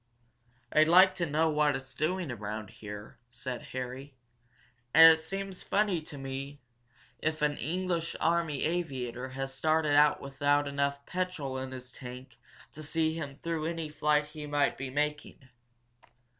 "I'd like to know what it's doing around here," said Harry. "And it seems funny to me if an English army aviator has started out without enough petrol in his tank to see him through any flight he might be making.